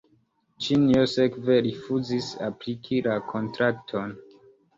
Ĉinio sekve rifuzis apliki la kontrakton.